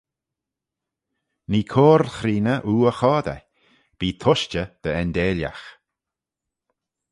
Nee coyrle chreeney oo y choadey bee tushtey dty endeilagh.